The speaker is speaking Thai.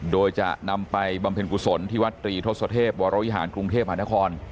โดยจะนำไปบำเพ็ญกุศลที่วัดตรีทศเทพวรวิหารกรุงเทพหานคร